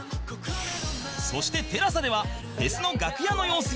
そして ＴＥＬＡＳＡ ではフェスの楽屋の様子や